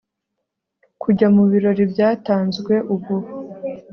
Kujya mubirori byatanzwe ubu